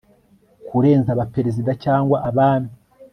kurenza abaperezida cyangwa abami